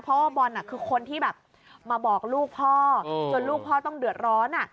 เพราะว่าบอลคือคนที่แบบมาบอกลูกพ่อจนลูกพ่อต้องเดือดร้อน